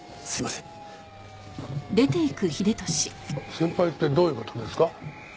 先輩ってどういう事ですか？